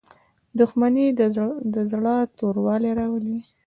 • دښمني د زړه توروالی راولي.